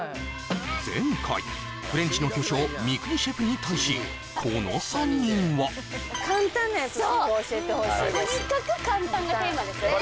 前回フレンチの巨匠三國シェフに対しこの３人は簡単なやつをシェフ教えてほしいそうとにかく簡単がテーマですね